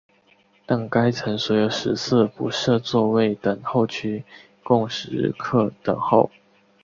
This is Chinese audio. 但该层所有食肆不设座位等候区供食客等候。